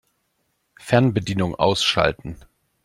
Fernbedienung ausschalten.